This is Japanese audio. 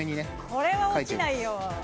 これは落ちないよ